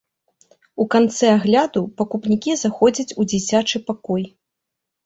У канцы агляду пакупнікі заходзяць у дзіцячы пакой.